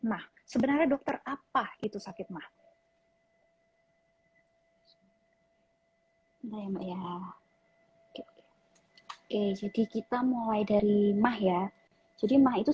nah sebenarnya dokter apa itu sakit mah hai jadi kita mulai dari mah ya jadi mah itu